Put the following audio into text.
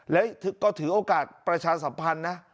แล้วก็ถือโอกาสประชาสัมพันธ์นะ